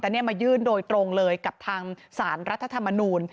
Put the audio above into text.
แต่นี่มายื่นโดยตรงเลยกับทางสารรัฐธรรมนูล